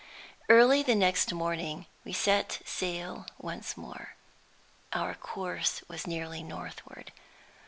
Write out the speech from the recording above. Early the next morning we set sail once more. Our course was nearly northward.